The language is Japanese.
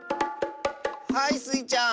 はいスイちゃん！